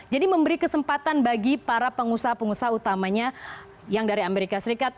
jadi memberi kesempatan bagi para pengusaha pengusaha utamanya yang dari amerika serikat